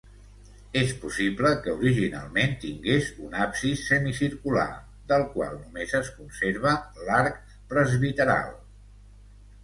És possible que originalment tingués un absis semicircular del qual només es conserva l'arc presbiteral.